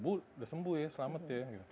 bu udah sembuh ya selamat ya